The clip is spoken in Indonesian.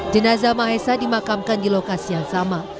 jenazah mahesa dimakamkan di lokasi yang sama